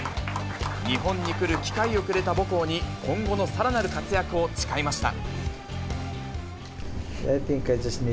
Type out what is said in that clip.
日本に来る機会をくれた母校に、今後のさらなる活躍を誓いました。